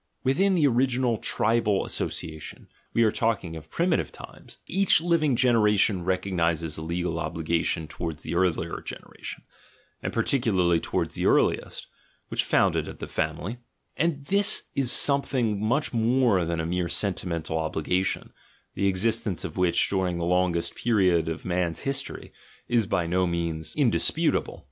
Within the origi nal tribal association — v/e are talking of primitive times — each lft aeration recognises a legal obligation to wards the earlier generation, and particularly towards the earliest, which founded the family (and this is something much more than a mere sentimental obligation, the ex istence of which, during the longest period of man's his tory, is by no means indisputable).